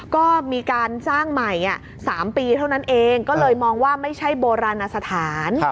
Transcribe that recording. ก็มีการสร้างใหม่๓ปีเท่านั้นเองก็เลยมองว่าไม่ใช่โบราณสถาน